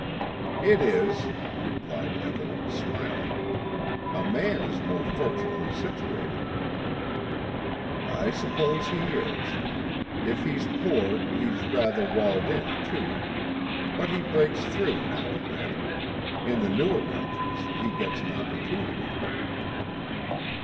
"It is," replied Evelyn smiling. "A man is more fortunately situated." "I suppose he is. If he's poor, he's rather walled in, too; but he breaks through now and then. In the newer countries he gets an opportunity."